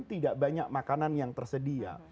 tidak banyak makanan yang tersedia